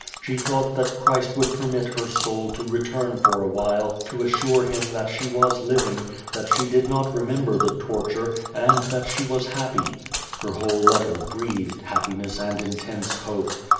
She thought that Clirist would permit her soul to return for a \diile to assure him that she was living, that she did not remember the torture, and that she was happy. Her whole letter breathed happiness and intense hope.